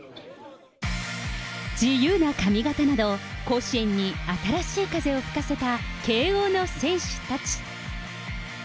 自由な髪形など、甲子園に新しい風を吹かせた慶応の選手たち。